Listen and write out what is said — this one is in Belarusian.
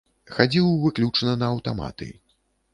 Хадзіў выключна на аўтаматы.